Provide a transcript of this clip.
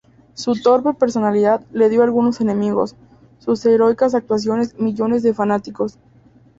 Su torpe personalidad le dio algunos enemigos, sus heroicas actuaciones millones de fanáticos"".